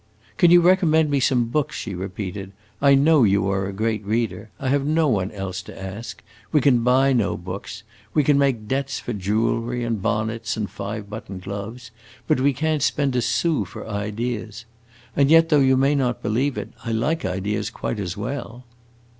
"Can you recommend me some books?" she repeated. "I know you are a great reader. I have no one else to ask. We can buy no books. We can make debts for jewelry and bonnets and five button gloves, but we can't spend a sou for ideas. And yet, though you may not believe it, I like ideas quite as well."